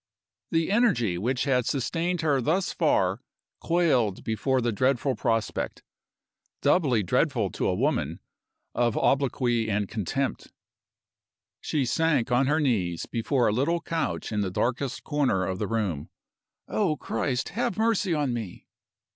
The energy which had sustained her thus far quailed before the dreadful prospect doubly dreadful to a woman of obloquy and contempt. She sank on her knees before a little couch in the darkest corner of the room. "O Christ, have mercy on me!"